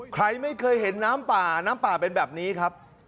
ใครไม่เคยเห็นน้ำป่าน้ำป่าเป็นแบบนี้ครับ